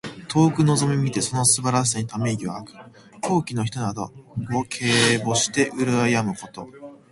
遠くのぞみ見てその素晴らしさにため息を吐く。高貴の人などを敬慕してうらやむこと。